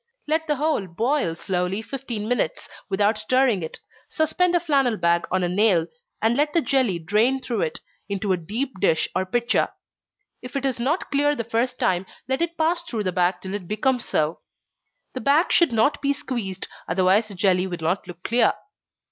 Let the whole boil slowly fifteen minutes, without stirring it suspend a flannel bag on a nail, and let the jelly drain through it, into a deep dish or pitcher. If it is not clear the first time, let it pass through the bag till it becomes so. The bag should not be squeezed, otherwise the jelly will not look clear.